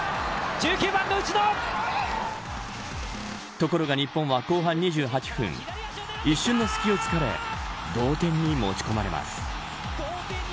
ところが日本は後半２８分一瞬の隙を突かれ同点に持ち込まれます。